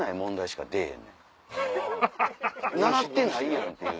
習ってないやんっていう。